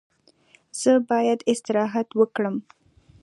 زه باید استراحت وکړم.